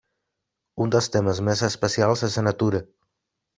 Un dels temes més especials és la natura.